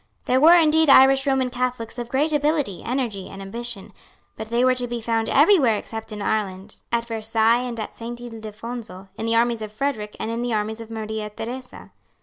There were indeed Irish Roman Catholics of great ability, energy and ambition; but they were to be found every where except in Ireland, at Versailles and at Saint Ildefonso, in the armies of Frederic and in the armies of Maria Theresa.